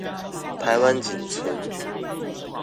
台灣僅存